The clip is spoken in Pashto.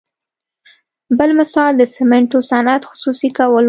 بل مثال د سمنټو صنعت خصوصي کول وو.